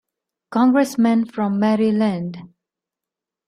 Congressmen from Maryland.